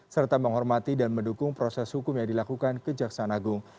serta menghormati dan mendukung proses hukum yang dilakukan kejaksaan agung